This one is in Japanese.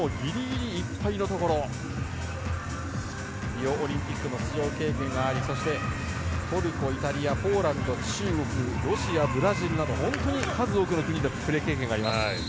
リオオリンピックも出場経験がありそして、トルコ、イタリアポーランド、中国ロシア、ブラジルなど本当に数多くの国とプレー経験があります。